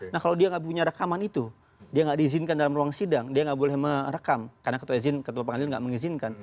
nah kalau dia nggak punya rekaman itu dia nggak diizinkan dalam ruang sidang dia nggak boleh merekam karena ketua pengadilan tidak mengizinkan